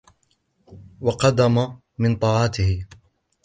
وَقَدَّمَ مِنْ طَاعَتِهِ